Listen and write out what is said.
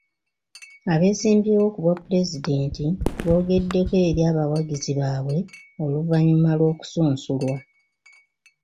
Abeesimbyewo ku bwa pulezidenti boogeddeko eri abawagizi baabwe oluvannyuma lw'okusunsulwa.